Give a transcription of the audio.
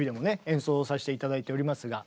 演奏させて頂いておりますが。